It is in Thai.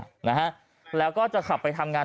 นะฮะแล้วก็จะขับไปทำงาน